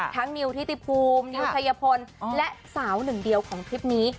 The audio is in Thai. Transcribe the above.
นิวทิติภูมินิวชัยพลและสาวหนึ่งเดียวของทริปนี้